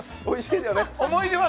おいしい。